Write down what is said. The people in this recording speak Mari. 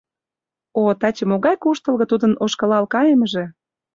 О, таче могай куштылго тудын ошкылал кайымыже!